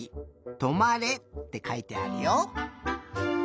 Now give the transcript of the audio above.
「止まれ」ってかいてあるよ。